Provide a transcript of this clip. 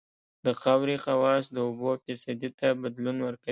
د خاورې خواص د اوبو فیصدي ته بدلون کوي